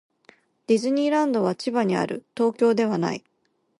ディズニーランドは千葉にある。東京ではない。